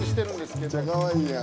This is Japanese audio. めっちゃかわいいやん。